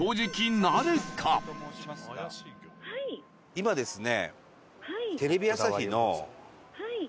今ですね。